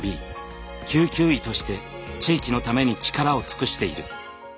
救急医として地域のために力を尽くしている。